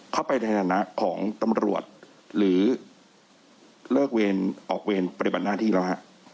เข้าไปในฐานะของตำรวจหรือเลิกออกเวรปฏิบัติหน้าที่แล้วฮะ